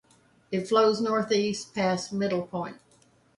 It flows northeast past Middle Point.